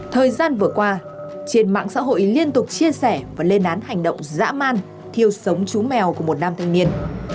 thời gian vừa qua trên mạng xã hội liên tục chia sẻ và lên án hành động dã man thiêu sống chú mèo của một nam thanh niên